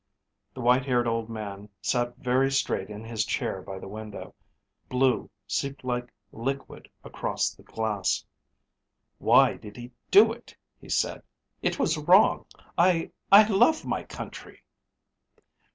The white haired old man sat very straight in his chair by the window. Blue seeped like liquid across the glass. "Why did I do it?" he said. "It was wrong. I I love my country."